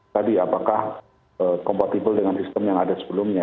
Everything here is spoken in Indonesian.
tadi apakah kompatibel dengan sistem yang ada sebelumnya